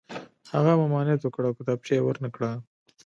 هغه ممانعت وکړ او کتابچه یې ور نه کړه